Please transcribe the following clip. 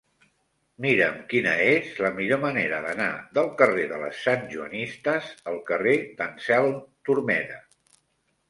Mira'm quina és la millor manera d'anar del carrer de les Santjoanistes al carrer d'Anselm Turmeda.